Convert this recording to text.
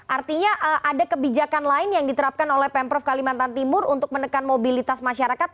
artinya ada kebijakan lain yang diterapkan oleh pemprov kalimantan timur untuk menekan mobilitas masyarakat